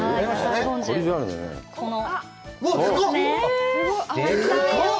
この。